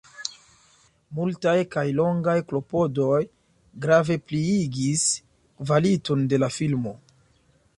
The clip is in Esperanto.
Multaj kaj longaj klopodoj grave pliigis kvaliton de la filmo.